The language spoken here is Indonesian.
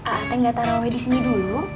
ah teh nggak tarawih di sini dulu